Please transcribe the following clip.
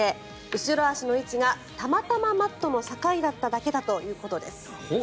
後ろ足の位置がたまたまマットの境だっただけだということです。